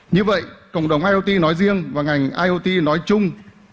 như vậy cộng đồng iot nói riêng và ngành iot nói chung